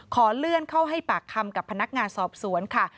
ขอเลื่อนเข้าให้ปากคำกับพนักงานสอบสวนค่ะ